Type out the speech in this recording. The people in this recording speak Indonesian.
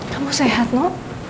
kamu sehat ma